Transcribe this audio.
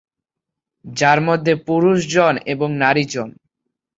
যার মধ্যে পুরুষ জন এবং নারী জন।